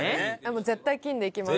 もう絶対金でいきます。